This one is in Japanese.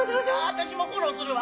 私もフォローするわ。